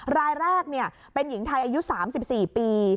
รายแรกเป็นหญิงไทยอายุ๓๔ปี